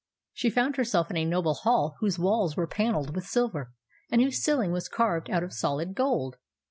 She found herself in a noble hall whose walls were panelled with silver, and whose ceiling was carved out of solid gold.